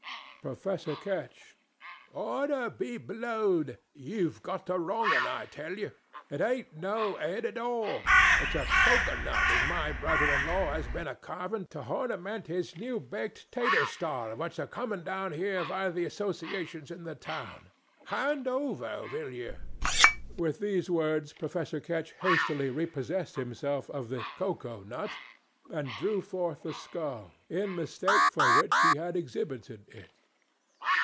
'PROFESSOR KETCH.—"Order be blowed! you've got the wrong un, I tell you. It ain't no 'ed at all; it's a coker nut as my brother in law has been a carvin', to hornament his new baked tatur stall wots a comin' down 'ere vile the 'sociation's in the town. Hand over, vill you?" 'With these words, Professor Ketch hastily repossessed himself of the cocoa nut, and drew forth the skull, in mistake for which he had exhibited it.